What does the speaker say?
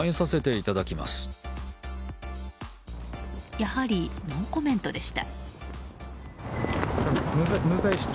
やはり、ノーコメントでした。